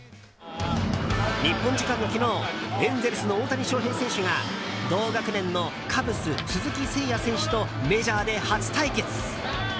日本時間の昨日エンゼルスの大谷翔平選手が同学年のカブス、鈴木誠也選手とメジャーで初対決。